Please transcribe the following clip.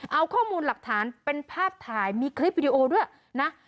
เอาข้อมูลหลักฐานเป็นภาพถ่ายมีคลิปวิดีโอด้วยนะ